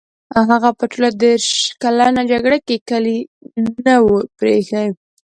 هغه په ټوله دېرش کلنه جګړه کې کلی نه وو پرې ایښی.